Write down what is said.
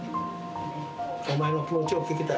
お前の気持ちを聞きたい。